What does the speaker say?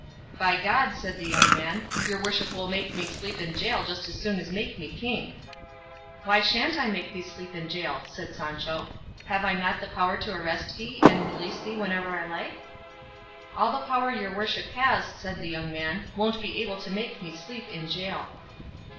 "By God," said the young man, "your worship will make me sleep in gaol just as soon as make me king." "Why shan't I make thee sleep in gaol?" said Sancho. "Have I not the power to arrest thee and release thee whenever I like?" "All the power your worship has," said the young man, "won't be able to make me sleep in gaol."